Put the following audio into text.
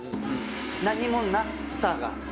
何もなさが。